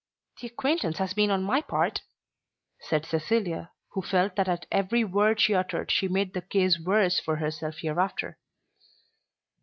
"The acquaintance has been on my part," said Cecilia, who felt that at every word she uttered she made the case worse for herself hereafter.